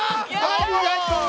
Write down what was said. ありがとう！